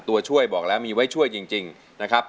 ตัวช่วยบอกแล้วมีไว้ช่วยจริงนะครับ